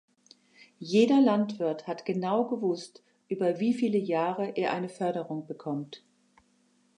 Jeder Landwirt hat genau gewusst, über wie viele Jahre er eine Förderung bekommt.